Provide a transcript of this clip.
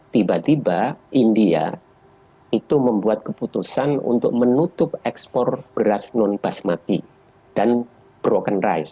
tiba tiba india itu membuat keputusan untuk menutup ekspor beras non basmati dan broken rice